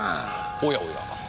おやおや。